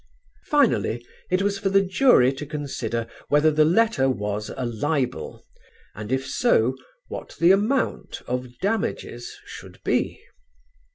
Finally it was for the jury to consider whether the letter was a libel and if so what the amount of damages should be.